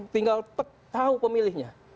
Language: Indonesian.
tinggal petak tahu pemilihnya